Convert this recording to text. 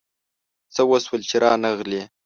څه وشول چي رانغلې ؟